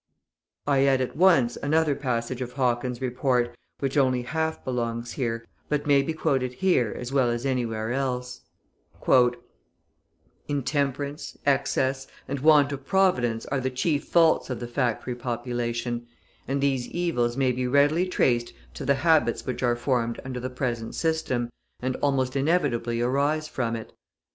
I add, at once, another passage of Hawkins' report, which only half belongs here, but may be quoted here as well as anywhere else: "Intemperance, excess, and want of providence are the chief faults of the factory population, and these evils may be readily traced to the habits which are formed under the present system, and almost inevitably arise from it.